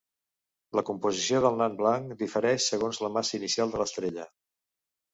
La composició del nan blanc difereix segons la massa inicial de l'estrella.